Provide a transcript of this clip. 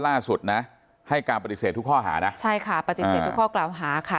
ล่าสุดนะให้การปฏิเสธทุกข้อหานะใช่ค่ะปฏิเสธทุกข้อกล่าวหาค่ะ